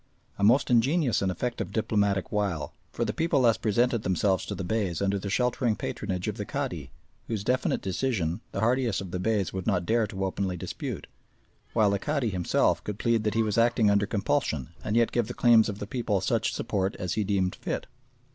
A most ingenious and effective diplomatic wile, for the people thus presented themselves to the Beys under the sheltering patronage of the Cadi, whose definite decision the hardiest of the Beys would not dare to openly dispute, while the Cadi himself could plead that he was acting under compulsion and yet give the claims of the people such support as he deemed fit.